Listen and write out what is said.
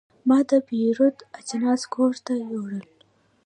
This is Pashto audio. ما د پیرود اجناس کور ته یوړل.